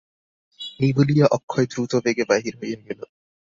এই বলিয়া অক্ষয় দ্রুতবেগে বাহির হইয়া গেল।